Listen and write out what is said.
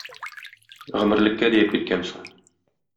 Гомерлеккә диеп киткәнсең.